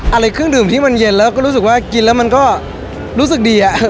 อะไรเครื่องดื่มที่มันเย็นแล้วก็รู้สึกว่ากินแล้วมันก็รู้สึกดี